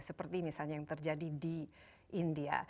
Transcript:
seperti misalnya yang terjadi di india